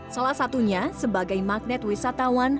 salah satunya sebagai magnet wisatawan